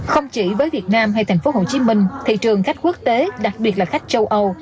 không chỉ với việt nam hay tp hcm thị trường khách quốc tế đặc biệt là khách châu âu